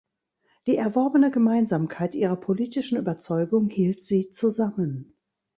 Die erworbene Gemeinsamkeit ihrer politischen Überzeugung hielt sie zusammen.